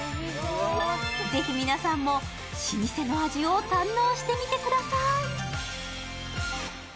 ぜひ皆さんも老舗の味を堪能してみてください。